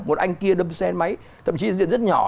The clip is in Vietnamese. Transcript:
một anh kia đâm xe máy thậm chí diện rất nhỏ